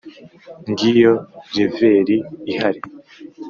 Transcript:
ngiyo leveri ihari.